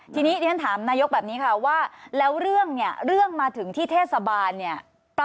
ทีนี้เรียนถามนายกแบบนี้ค่ะว่าแล้วเรื่องเนี่ยเรื่องมาถึงที่เทศบาลเนี่ย